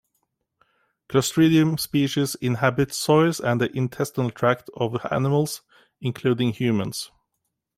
"Clostridium" species inhabit soils and the intestinal tract of animals, including humans.